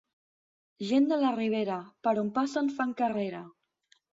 Gent de la Ribera, per on passen fan carrera.